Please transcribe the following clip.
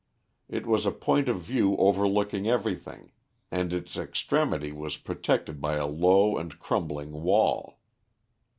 It was a point of view overlooking everything, and its extremity was protected by a low and crumbling wall.